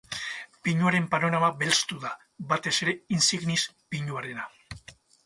Pinuaren panorama belztu da, batez ere insignis pinuarena.